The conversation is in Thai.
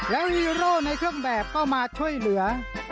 แล้วฮีโร่ในเครื่องแบบก็มาช่วยเหลือ